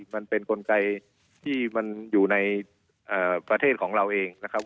มันเป็นกลไกที่มันอยู่ในประเทศของเราเองนะครับ